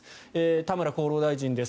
田村厚労大臣です。